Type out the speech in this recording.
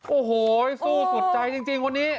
โอ้โหสู้สุดใจจริงวันนี้